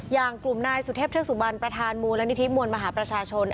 อย่างกลุ่มนายสุเทพเทือกสุบันประธานมูลนิธิมวลมหาประชาชน